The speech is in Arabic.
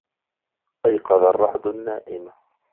أَيْقَظَ الرَّعْدُ النَّائِمَ.